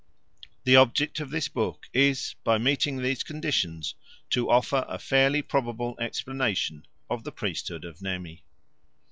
The object of this book is, by meeting these conditions, to offer a fairly probable explanation of the priesthood of Nemi.